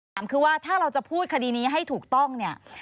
ถามคือว่าถ้าเราจะพูดคดีนี้ให้ถูกต้องเนี่ย